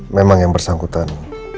memang yang bersangkutan